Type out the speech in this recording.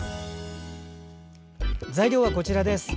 材料はこちらです。